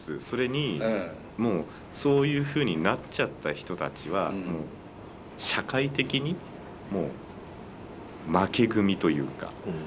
それにもうそういうふうになっちゃった人たちはもう社会的に負け組というか。